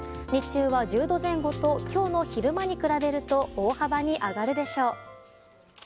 日中は１０度前後と今日の昼間に比べると大幅に上がるでしょう。